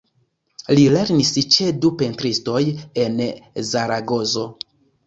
Li lernis ĉe du pentristoj en Zaragozo.